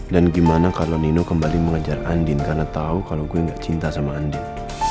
dan gimana kalau nino kembali mengejar andin karena tau kalau gue gak cinta sama andin